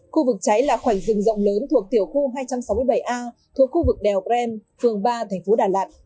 khu vực cháy là khoảnh rừng rộng lớn thuộc tiểu khu hai trăm sáu mươi bảy a thuộc khu vực đèo pren phường ba thành phố đà lạt